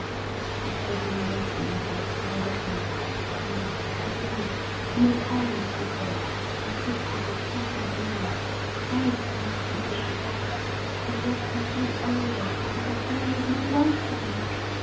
The struggling emotion in her found utterance. "No, no not I!" she said, in quick little passionate murmurs "I could not regret it! If you loved me for an hour it would be the joy of my life time!